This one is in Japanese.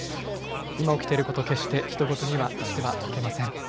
今起きていること、決してひと事にはしてはいけません。